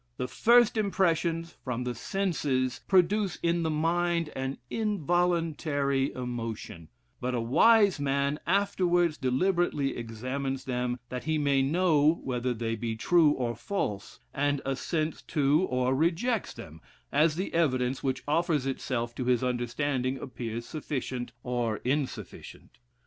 The first impressions from the senses produce in the mind an involuntary emotion; but a wise man afterwards deliberately examines them, that he may know whether they be true or false, and assents to, or rejects them, as the evidence which offers itself to his understanding appears sufficient or insufficient.